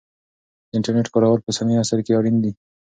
د انټرنیټ کارول په اوسني عصر کې اړین دی.